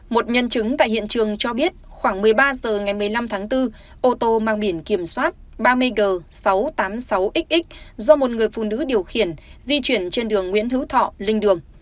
một nhân chứng tại hiện trường cho biết khoảng một mươi ba h ngày một mươi năm tháng bốn ô tô mang biển kiểm soát ba mươi g sáu trăm tám mươi sáu xx do một người phụ nữ điều khiển di chuyển trên đường nguyễn hữu thọ linh đường